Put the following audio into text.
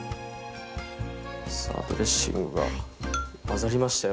さあドレッシングが混ざりましたよ